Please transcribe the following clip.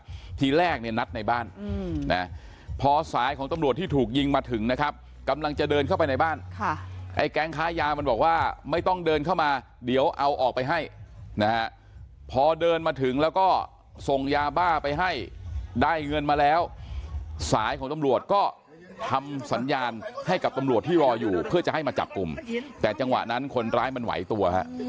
ทีแรกเนี่ยนัดในบ้านนะพอสายของตำรวจที่ถูกยิงมาถึงนะครับกำลังจะเดินเข้าไปในบ้านค่ะไอ้แก๊งค้ายามันบอกว่าไม่ต้องเดินเข้ามาเดี๋ยวเอาออกไปให้นะฮะพอเดินมาถึงแล้วก็ส่งยาบ้าไปให้ได้เงินมาแล้วสายของตำรวจก็ทำสัญญาณให้กับตำรวจที่รออยู่เพื่อจะให้มาจับกลุ่มแต่จังหวะนั้นคนร้ายมันไหวตัวฮะ